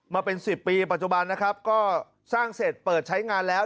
มาเป็น๑๐ปีปัจจุบันนะครับก็สร้างเสร็จเปิดใช้งานแล้ว